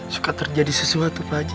suka terjadi sesuatu pak haji